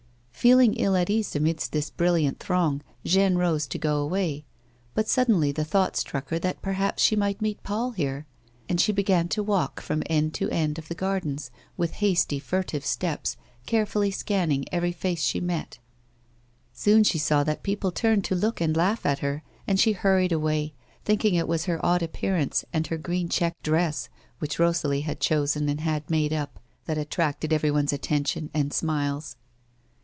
Feeling ill at ease 238 A WOMAN'S LIFE. amidst tliis brilliant tlimim', Jeanne rose to go away; but suddenly the thought struck her that perhaps she might meet Paul here, and she began to walk from end to end of the gardens with hasty, furtive steps^ carefully scanning every face she met. Soon she saw that people turned to look and laugh at her, and sbe hurried away, thinking it was her odd appearance and her green checked dress, which Rosalie had chosen and had made up, that attracted everyone's attention and smiles.